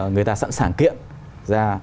người ta sẵn sàng kiện ra